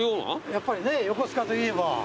やっぱりね横須賀といえば。